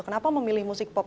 kenapa memilih musik pop